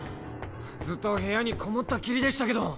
ずっと部屋にこもったっきりでしたけど。